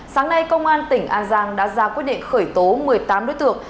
sáng nay công an tỉnh an giang đã ra quyết định khởi tố một mươi tám đối tượng